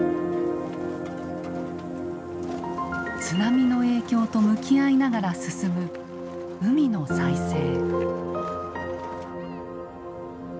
津波の影響と向き合いながら進む海の再生。